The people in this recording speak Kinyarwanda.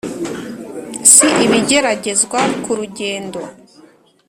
Si ibigeragezwa ku rugendo!